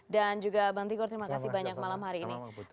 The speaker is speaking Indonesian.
dan juga bang tigor terima kasih banyak malam hari ini